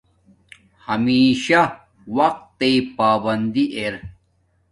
ہمشہ وقت تݵ پابندی ار